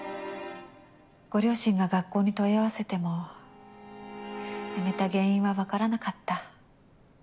ご両親が学校に問い合わせても辞めた原因はわからなかった。